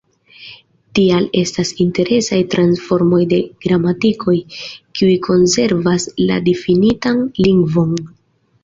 Tial estas interesaj transformoj de gramatikoj, kiuj konservas la difinitan lingvon.